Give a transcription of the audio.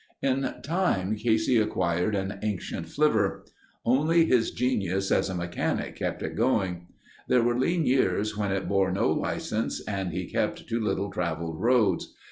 In time Casey acquired an ancient flivver. Only his genius as a mechanic kept it going. There were lean years when it bore no license and he kept to little traveled roads.